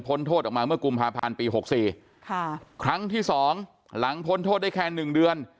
พ้นโทษออกมาเมื่อกลุงมหาพาลปี๖๔ครั้งที่๒หลังพ้นโทษได้แค่๑เดือน